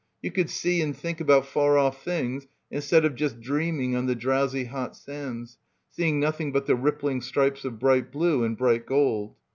You could see and think about far off things instead of just dreaming on the drowsy hot sands, seeing nothing but the rippling stripes of bright blue and bright gold.